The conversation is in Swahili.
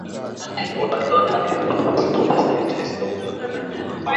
watu wnapenda kusikia sauti zao kwenye redio